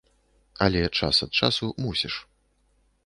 Але час ад часу мусіш.